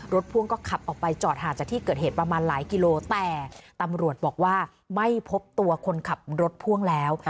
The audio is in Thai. พ่วงก็ขับออกไปจอดห่างจากที่เกิดเหตุประมาณหลายกิโลแต่ตำรวจบอกว่าไม่พบตัวคนขับรถพ่วงแล้ว